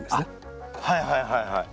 はいはいはいはい。